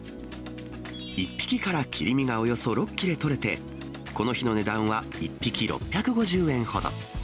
１匹から切り身がおよそ６切れ取れて、この日の値段は１匹６５０円ほど。